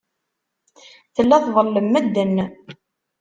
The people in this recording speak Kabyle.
Tella tḍellem medden.